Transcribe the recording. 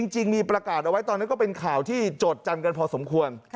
จริงมีประกาศเอาไว้ตอนนั้นก็เป็นข่าวที่โจทย์กันพอสมควร